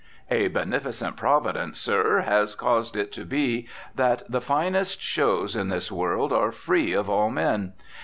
A beneficent Providence, sir, has caused it to be that the finest shows in this world are free of all men.